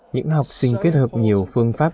những học sinh kết hợp nhiều phương pháp